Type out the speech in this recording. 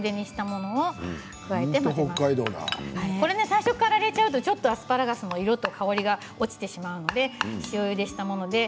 最初から入れるとアスパラガスの色と香りが落ちてしまうので塩ゆでにしたものです。